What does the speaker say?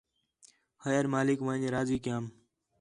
خیر ماک ون٘ڄ راضی کیام